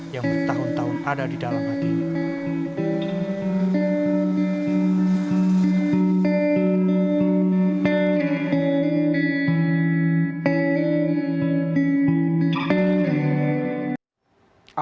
yang bertahun tahun ada di dalam hatinya